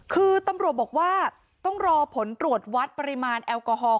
คือตำรวจบอกว่าต้องรอผลตรวจวัดปริมาณแอลกอฮอล